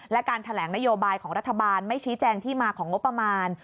และการแถลงนโยบายของรัฐบาลไม่ชี้แจงที่มาของงบประมาณ